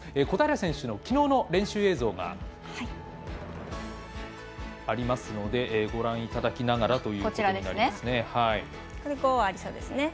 小平選手のきのうの練習映像がありますのでご覧いただきながら。